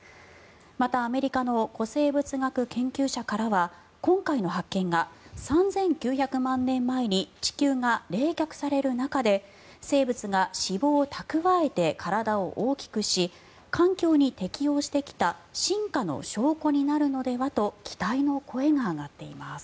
また、アメリカの古生物学研究者からは今回の発見が３９００万年前に地球が冷却される中で生物が脂肪を蓄えて体を大きくし環境に適応してきた進化の証拠になるのではと期待の声が上がっています。